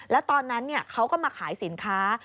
แล้วตอนนั้นเขาก็มาขายสินค้า